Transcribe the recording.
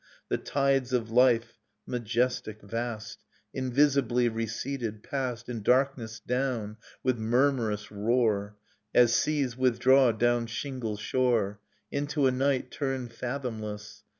The tides of life, majestic, vast. Invisibly receded, passed In darkness down, with murmurous roar. As seas withdraw down shingle shore. Into a night turned fathomless.